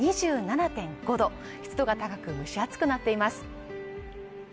現在の気温は２７．５度、湿度が高く蒸し暑くなっています。